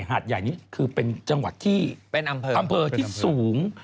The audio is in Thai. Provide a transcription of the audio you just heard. หาดใหญ่นี้คือเป็นอำเภอที่สูง